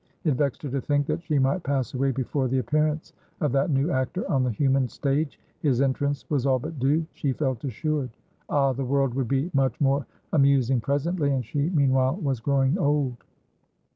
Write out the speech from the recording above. It vexed her to think that she might pass away before the appearance of that new actor on the human stage; his entrance was all but due, she felt assured. Ah! the world would be much more amusing presently, and she meanwhile was growing old.